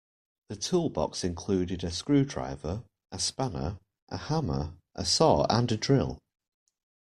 The toolbox included a screwdriver, a spanner, a hammer, a saw and a drill